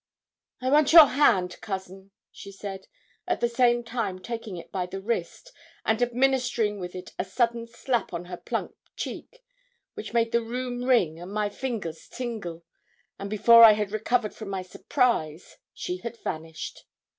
'I want your hand, cousin,' she said, at the same time taking it by the wrist, and administering with it a sudden slap on her plump cheek, which made the room ring, and my fingers tingle; and before I had recovered from my surprise, she had vanished.